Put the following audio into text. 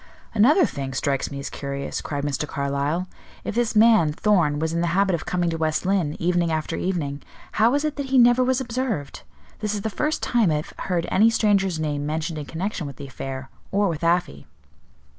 "Another thing strikes me as curious," cried Mr. Carlyle. "If this man, Thorn, was in the habit of coming to West Lynne, evening after evening, how was it that he never was observed? This is the first time I have heard any stranger's name mentioned in connection with the affair, or with Afy."